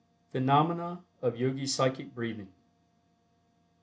PHENOMENA OF YOGI PSYCHIC BREATHING.